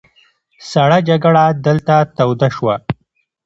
سړه جګړه دلته توده شوه.